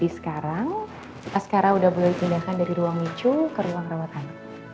sekarang udah boleh dipindahkan dari ruang micu ke ruang rawatan